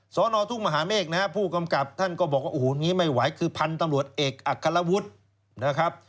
สอนอทุ่งมหาเมฆนะครับผู้กำกับท่านก็บอกว่าโอ้โหอย่างนี้ไม่ไหวคือพันธุ์ตำรวจเอกอัครวุฒินะครับ